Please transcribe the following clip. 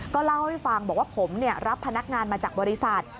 เล่าให้ฟังบอกว่าผมรับพนักงานมาจากบริษัท